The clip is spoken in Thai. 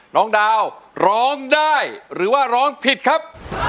น้องดาวร้องได้หรือว่าร้องผิดครับ